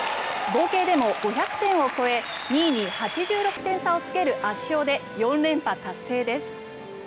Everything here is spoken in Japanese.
合計でも５００点を超え２位に８６点差をつける圧勝で４連覇達成です。